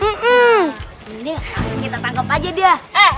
ini langsung kita tangkap aja dia